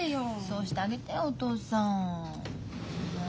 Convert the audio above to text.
そうしてあげてお父さん。